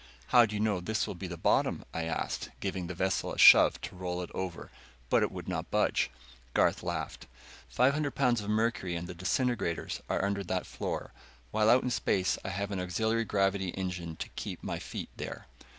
"How do you know this will be the bottom?" I asked, giving the vessel a shove to roll it over. But it would not budge. Garth laughed. "Five hundred pounds of mercury and the disintegrators are under that floor, while out in space I have an auxiliary gravity engine to keep my feet there."